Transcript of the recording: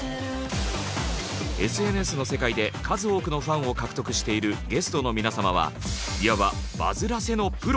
ＳＮＳの世界で数多くのファンを獲得しているゲストの皆様はいわばバズらせのプロ。